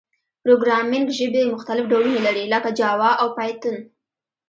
پروګرامینګ ژبي مختلف ډولونه لري، لکه جاوا او پایتون.